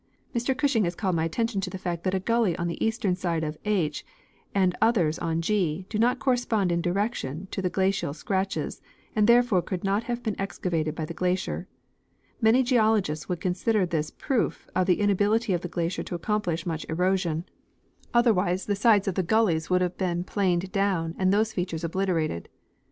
Mr Gushing has called my attention to the fact that a gully on the eastern side of H and others on G do not correspond in direction to the glacial scratches, and therefore could not have been excavated by the glacier. Many geologists would consider this a proof of the in ability of the glacier to accomplish much erosion ; otherwise the Tlie buried Fared. 39 sides of the gullies would' have been planed down and these features obliterated.